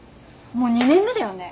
もう２年目だよね？